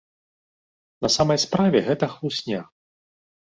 На самай справе гэта хлусня.